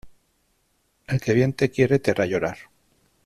El que bien te quiere te hará llorar.